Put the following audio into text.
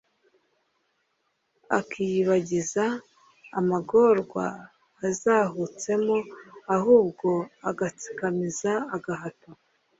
akiyibagiza amagorwa azahutsemo, ahubwo agatsikamiza agahato